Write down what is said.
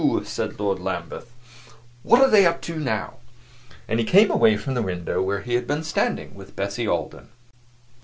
said Lord Lambeth; "what are they up to now?" And he came away from the window, where he had been standing with Bessie Alden.